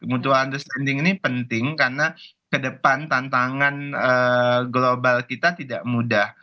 mutu understanding ini penting karena ke depan tantangan global kita tidak mudah